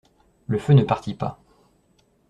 Le feu ne partit pas.